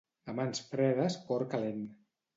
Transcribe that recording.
A mans fredes cor calent